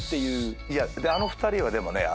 いやあの２人はでもね。